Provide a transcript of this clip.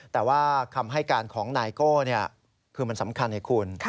แต่ว่าคำให้การของไนโก้เนี่ยคือมันสำคัญให้คุณ